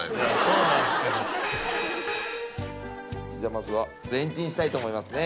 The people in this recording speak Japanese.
まずはレンチンしたいと思いますね。